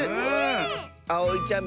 あおいちゃん